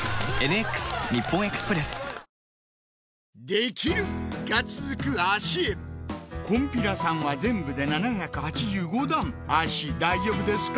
できる！が続く脚へこんぴらさんは全部で７８５段脚大丈夫ですか？